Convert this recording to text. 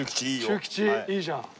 中吉いいじゃん。